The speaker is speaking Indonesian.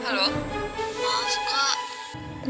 kalau mama tahu